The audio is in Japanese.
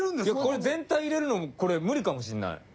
いやこれ全体入れるのこれ無理かもしんない。